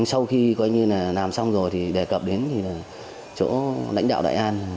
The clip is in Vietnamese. sau khi coi như là làm xong rồi thì đề cập đến thì chỗ lãnh đạo đại an